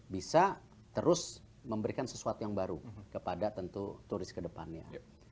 bisa terus memberikan sesuatu yang baru kepada tentu turis kedepannya